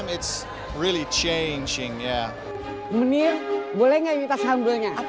menir boleh nggak kita sambelnya